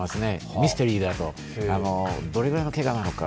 ミステリーだと、どれぐらいのけがなのか。